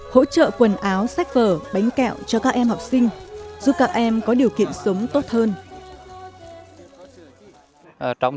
hỗ trợ quần áo sách vở bánh kẹo cho các em học sinh giúp các em có điều kiện sống tốt hơn